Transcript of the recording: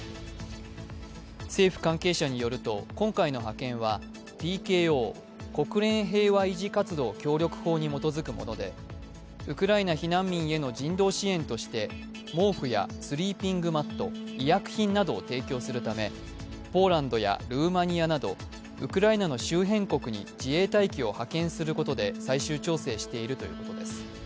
政府関係者によると今回の派遣はＰＫＯ＝国連平和維持活動協力法に基づくものでウクライナ避難民への人道支援として毛布やスリーピングマット、医薬品などを提供するためポーランドやルーマニアなどウクライナの周辺国に自衛隊機を派遣することで最終調整しているということです。